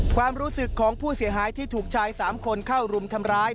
ความรู้สึกของผู้เสียหายที่ถูกชาย๓คนเข้ารุมทำร้าย